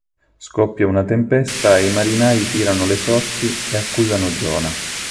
Scoppia una tempesta e i marinai tirano le sorti e accusano Giona.